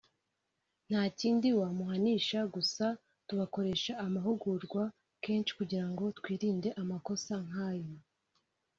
nta kindi wamuhanisha gusa tubakoresha amahugurwa kenshi kugira ngo twirinde amakosa nk’ayo